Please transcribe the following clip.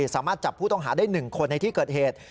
สามารถจับผู้ต้องหาได้๑คนในที่เกิดเหตุ